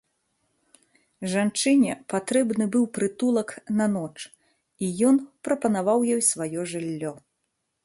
Жанчыне патрэбны быў прытулак на ноч, і ён прапанаваў ёй сваё жыллё.